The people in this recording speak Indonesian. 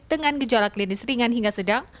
dengan gejala klinis ringan hingga sedang